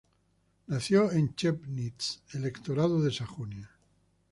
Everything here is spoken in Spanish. Nació en Chemnitz, Electorado de Sajonia.